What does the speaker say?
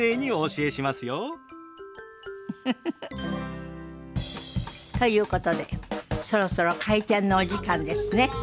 ウフフフ。ということでそろそろ開店のお時間ですね。